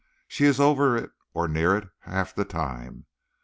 She is over it or near it half the time.